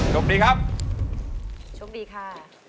โชคดีครับโชคดีค่ะ